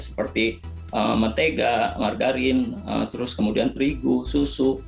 seperti mentega margarin terus kemudian terigu susu